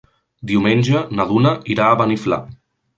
Diumenge na Duna irà a Beniflà.